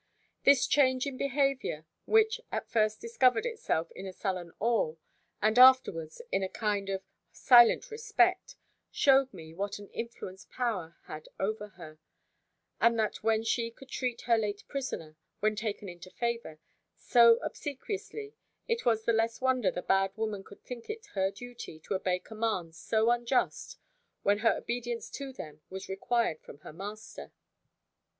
This change of behaviour, which at first discovered itself in a sullen awe, and afterwards in a kind of silent respect, shewed me, what an influence power had over her: and that when she could treat her late prisoner, when taken into favour, so obsequiously, it was the less wonder the bad woman could think it her duty to obey commands so unjust, when her obedience to them was required from her master.